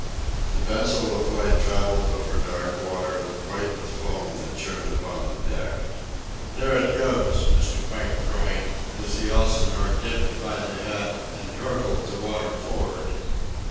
The pencil of light travelled over dark water, white with foam, that churned upon the deck. "There it goes!" Mr. Pike cried, as the Elsinore dipped by the head and hurtled the water for'ard.